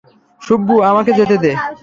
সু্ব্বু, আমাকে যেতে দে।